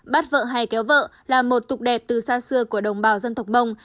bắt vợ hay kéo vợ là một tục đẹp từ xa xưa của đồng bào dân tộc mông